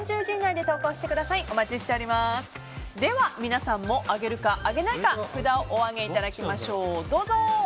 では皆さんもあげるか、あげないか札をお上げいただきましょう。